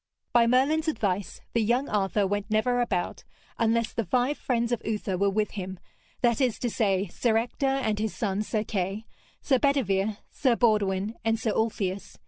By Merlin's advice the young Arthur went never about, unless the five friends of Uther were with him, that is to say, Sir Ector and his son Sir Kay, Sir Bedevere, Sir Baudwin and Sir Ulfius.